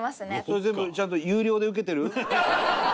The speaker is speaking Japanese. それ全部ちゃんと有料で受けてる？